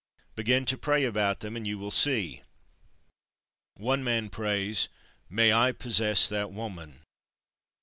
Begin to pray about them and you will see. One man prays: "May I possess that woman!"